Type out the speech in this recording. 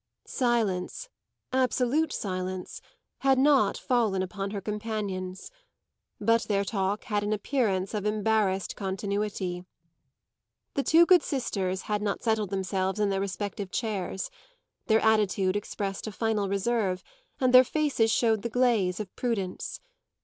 Silence absolute silence had not fallen upon her companions; but their talk had an appearance of embarrassed continuity. The two good sisters had not settled themselves in their respective chairs; their attitude expressed a final reserve and their faces showed the glaze of prudence.